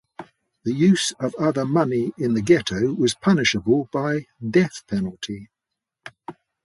The use of other money in the Ghetto was punishable by death penalty.